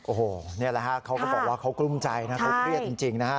โอ้โหนี่แหละฮะเขาก็บอกว่าเขากลุ้มใจนะเขาเครียดจริงนะฮะ